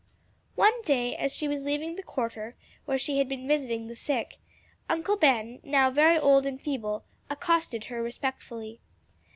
One day as she was leaving the quarter, where she had been visiting the sick, Uncle Ben, now very old and feeble, accosted her respectfully.